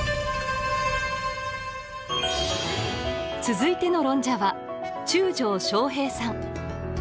続いての論者は中条省平さん。